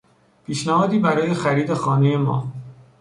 پیشنهادی برای خرید خانهی ما